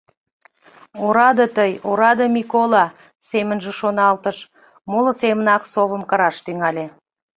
«Ораде тый, ораде Микола!» — семынже шоналтыш, моло семынак совым кыраш тӱҥале.